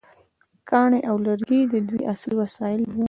کاڼي او لرګي د دوی اصلي وسایل وو.